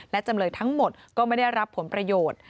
และจำเลยทั้งหมดก็ไม่ได้รับผลประโยชน์